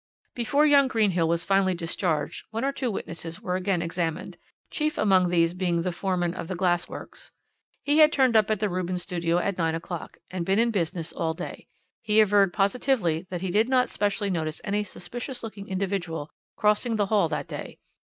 "Before young Greenhill was finally discharged one or two witnesses were again examined, chief among these being the foreman of the glassworks. He had turned up at the Rubens Studios at 9 o'clock, and been in business all day. He averred positively that he did not specially notice any suspicious looking individual crossing the hall that day.